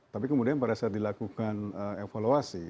tapi kemudian pada saat dilakukan evaluasi